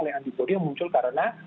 oleh ambisori yang muncul karena